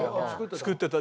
作ってた。